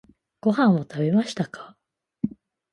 ご飯を食べましたか？